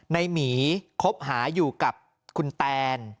หมีคบหาอยู่กับคุณแตน